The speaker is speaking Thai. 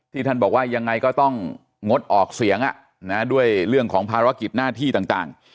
ท่านบอกว่ายังไงก็ต้องงดออกเสียงด้วยเรื่องของภารกิจหน้าที่ต่าง